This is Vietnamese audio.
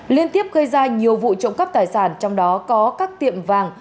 liên tiếp gây ra nhiều vụ trộm cắp tài sản trong đó có các tiệm vàng